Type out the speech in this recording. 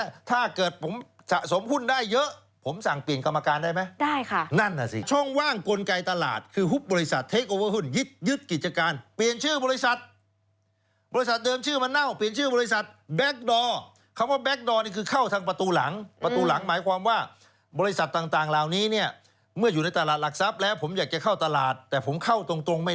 ผู้ถือหุ้นคือผู้ที่เป็นเจ้าของตามหลักการบริหารสมัยใหม่คุณต้องทำงานให้ผู้ถือหุ้นคุณต้องทำงานให้ผู้ถือหุ้นคุณต้องทำงานให้ผู้ถือหุ้นคุณต้องทำงานให้ผู้ถือหุ้นคุณต้องทำงานให้ผู้ถือหุ้นคุณต้องทำงานให้ผู้ถือหุ้นคุณต้องทำงานให้ผู้ถือหุ้นคุณต้องทำงานให้ผู้ถือหุ้นคุณต้องทำงาน